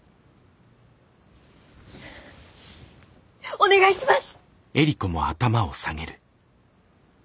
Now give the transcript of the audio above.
お願いします！